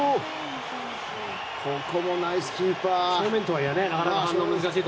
ここもナイスキーパー。